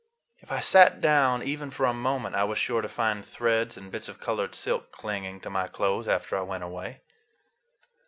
If I sat down even for a moment I was sure to find threads and bits of colored silk clinging to my clothes after I went away.